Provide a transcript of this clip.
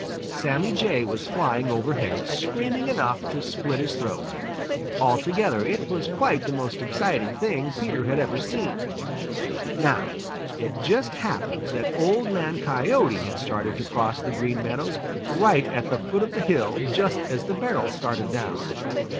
Sammy Jay was flying overhead, screaming enough to split his throat. Altogether, it was quite the most exciting thing Peter had ever seen. Now it just happened that Old Man Coyote had started to cross the Green Meadows right at the foot of the hill just as the barrel started down.